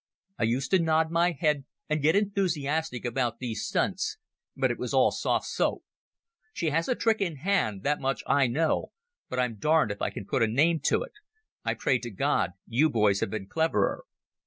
I used to nod my head and get enthusiastic about these stunts, but it was all soft soap. She has a trick in hand—that much I know, but I'm darned if I can put a name to it. I pray to God you boys have been cleverer."